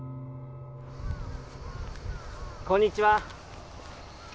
こんにちは。